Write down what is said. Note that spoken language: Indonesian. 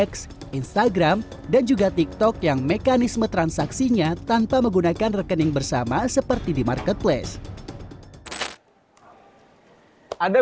x instagram dan juga tiktok yang mekanisme transaksinya tanpa menggunakan rekening bersama seperti di marketplace